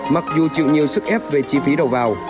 mặc dù chịu nhiều sức ép về chi phí đầu vào